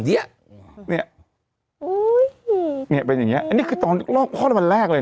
เนี้ยเนี้ยอุ้ยเนี่ยเป็นอย่างเงี้อันนี้คือตอนลอกคลอดวันแรกเลย